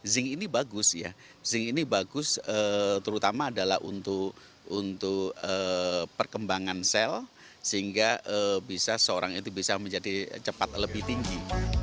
zinc ini bagus ya zinc ini bagus terutama adalah untuk perkembangan sel sehingga bisa seorang itu bisa menjadi cepat lebih tinggi